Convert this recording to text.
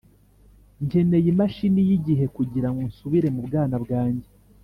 nkeneye imashini yigihe kugirango nsubire mubwana bwanjye